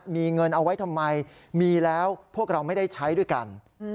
มีเงินเอาไว้ทำไมมีแล้วพวกเราไม่ได้ใช้ด้วยกัน